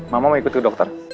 mama mau ikut ke dokter